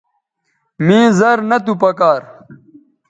مے زر نہ تو پکار